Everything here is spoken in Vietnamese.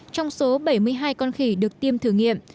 trong số bảy mươi hai con khỉ được tiêm thử nghiệm